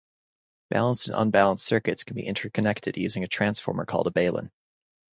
Balanced and unbalanced circuits can be interconnected using a transformer called a balun.